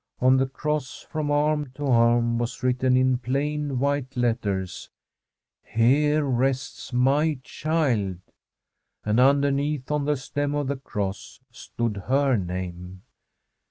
On the cross from arm to arm was written in plain white letters, ' HERE RESTS MY CHILD/ and underneath, on the stem of the cross, stood her name.